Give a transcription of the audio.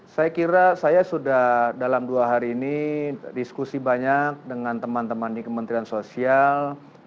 saya kira saya sudah dalam dua hari ini diskusi banyak dengan teman teman di kementerian sosial